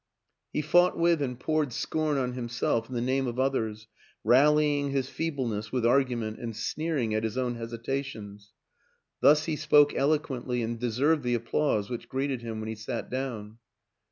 He fought 220 WILLIAM AN ENGLISHMAN with and poured scorn on himself in the name of others, rallying his feebleness with argument and sneering at his own hesitations. Thus he spoke eloquently and deserved the applause which greeted him when he sat down.